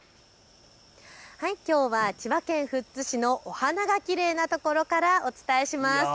きょうは千葉県富津市のお花がきれいな所からお伝えします。